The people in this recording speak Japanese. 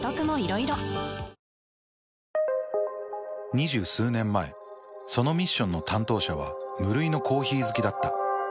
２０数年前そのミッションの担当者は無類のコーヒー好きだった。